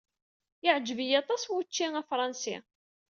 Yeɛjeb-iyi aṭas wučči afṛansi.